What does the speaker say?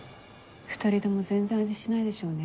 ２人とも全然味しないでしょうね。